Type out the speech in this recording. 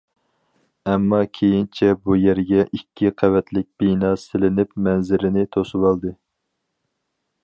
ئەمما، كېيىنچە بۇ يەرگە ئىككى قەۋەتلىك بىنا سېلىنىپ مەنزىرىنى توسۇۋالدى.